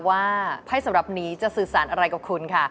ไพ่สำหรับนี้จะสื่อสารอะไรกับคุณค่ะ